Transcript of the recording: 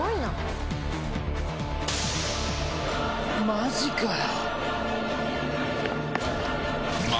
マジかよ